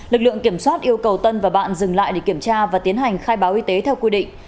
lực lượng kiểm soát yêu cầu tân và bạn dừng lại để kiểm tra và tiến hành khai báo y tế theo quy định